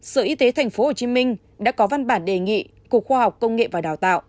sở y tế tp hcm đã có văn bản đề nghị cục khoa học công nghệ và đào tạo